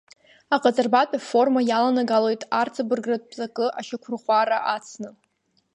Аҟаҵарбатә ажәаформа иаланагалоит арҵабыргратә ҵакы, ашьақәырӷәӷәара ацны.